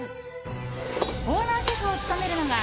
オーナーシェフを務めるのが